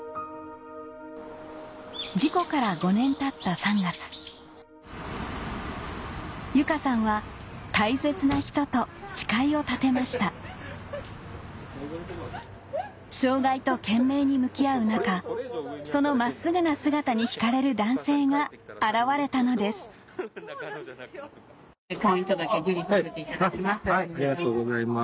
事故から５年たった３月由佳さんは大切な人と誓いを立てました障害と懸命に向き合う中その真っすぐな姿に引かれる男性が現れたのですありがとうございます。